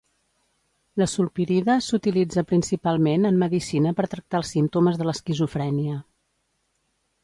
La sulpirida s'utilitza principalment en medicina per tractar els símptomes de l'esquizofrènia.